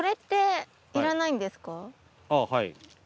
あぁはい。